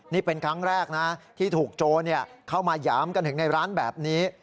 นี่เป็นครั้งแรกนะที่ถูกโจรเข้ามาหยามกันถึงในร้านแบบนี้